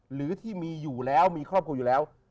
หรือที่มีอยู่แล้วมีครอบครัวอยู่แล้ว